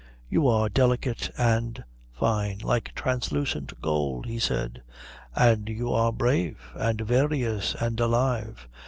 "You are delicate and fine, like translucent gold," he said. "And you are brave, and various, and alive.